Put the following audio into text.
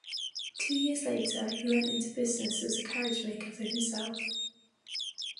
Two years later, he went into business as a carriagemaker for himself.